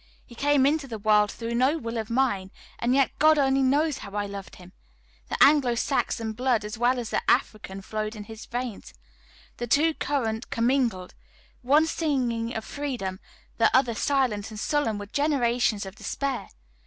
He came into the world through no will of mine, and yet, God only knows how I loved him. The Anglo Saxon blood as well as the African flowed in his veins; the two currents commingled one singing of freedom, the other silent and sullen with generations of despair.